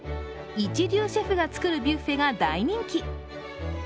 一流シェフが作るビュッフェが大人気。